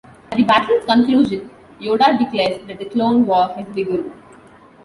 At the battle's conclusion, Yoda declares that the Clone War has begun.